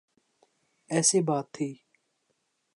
ایسی بات تھی۔